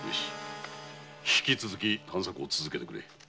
引き続き探索を続けてくれ。